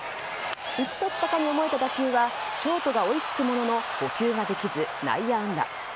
打ち取ったかに思えた打球はショートが追いつくものの捕球ができず内野安打。